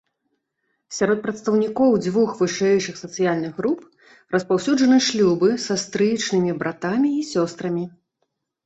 Сярод прадстаўнікоў дзвюх вышэйшых сацыяльных груп распаўсюджаны шлюбы са стрыечнымі братамі і сёстрамі.